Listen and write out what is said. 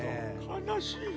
かなしい。